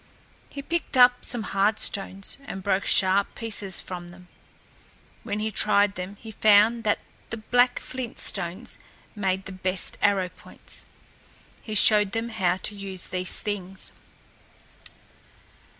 He picked up some hard stones, and broke sharp pieces from them. When he tried them he found that the black flint stones made the best arrow points. He showed them how to use these things.